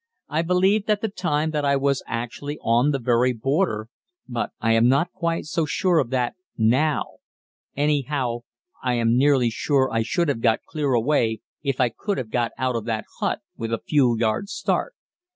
I believed at the time that I was actually on the very border, but I am not quite so sure of that now anyhow, I am nearly sure I should have got clear away if I could have got out of that hut with a few yards' start.